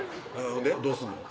ほんでどうすんの？